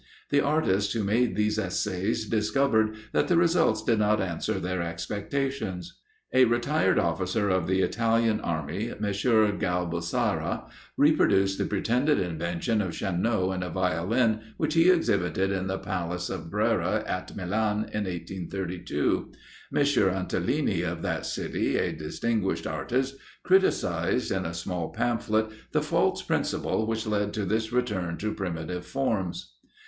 The artists who made these essays discovered that the results did not answer their expectations. A retired officer of the Italian army, M. Galbussera, reproduced the pretended invention of Chanot in a Violin which he exhibited in the Palace of Brera at Milan in 1832. M. Antolini, of that city, a distinguished artist, criticised in a small pamphlet the false principle which led to this return to primitive forms.